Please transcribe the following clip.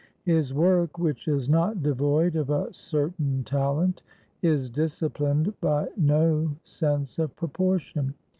His work, which is not devoid of a certain talent, is disciplined by no sense of proportion.